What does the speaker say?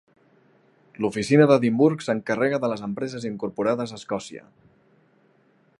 L'oficina d'Edimburg s'encarrega de les empreses incorporades a Escòcia.